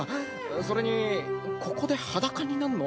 それにここで裸になんの？